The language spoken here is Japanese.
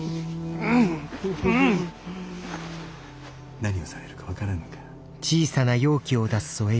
何をされるか分からぬか。